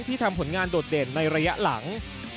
ทำผลงานโดดเด่นในระยะหลัง